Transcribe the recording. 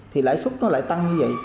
thì lãi suất nó lại tăng như vậy